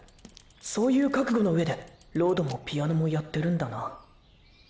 そういう覚悟の上でロードもピアノもやってるんだな？